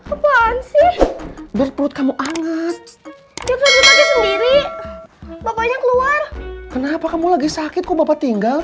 apaan sih berput kamu anget sendiri bapaknya keluar kenapa kamu lagi sakit kok bapak tinggal